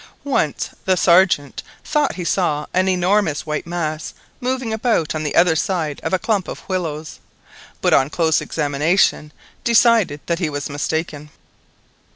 Once the Sergeant thought he saw an enormous white mass moving about on the other side of a clump of willows, but on close examination decided that he was mistaken.